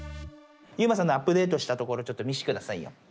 ユウマさんのアップデートしたところちょっと見せてくださいよ。